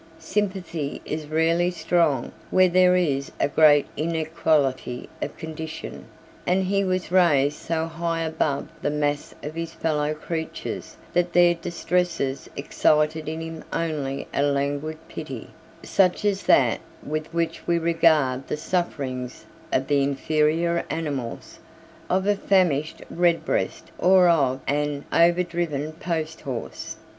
Sympathy is rarely strong where there is a great inequality of condition; and he was raised so high above the mass of his fellow creatures that their distresses excited in him only a languid pity, such as that with which we regard the sufferings of the inferior animals, of a famished redbreast or of an overdriven posthorse.